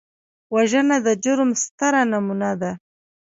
وژنه د جرم ستره نمونه ده